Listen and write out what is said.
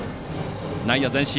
内野は前進。